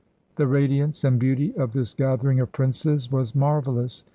The radiance and beauty of this gathering of princes was marvelous.